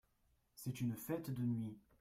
C’est une fête de nuit.